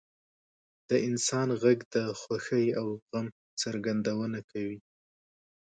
• د انسان ږغ د خوښۍ او غم څرګندونه کوي.